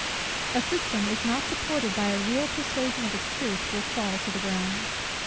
A system, if not supported by a real persuasion of its truth, will fall to the ground.